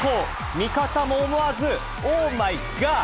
味方も思わず、オーマイガッ。